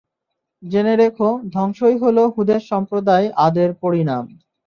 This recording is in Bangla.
জেনে রেখ, ধ্বংসই হলো হূদের সম্প্রদায় আদের পরিণাম।